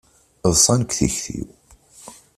Ḍsan deg tikti-w.